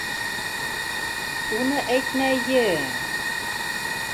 Уны әйтмәйе-е-ем...